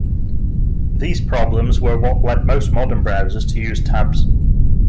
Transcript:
These problems were what led most modern web browsers to use tabs.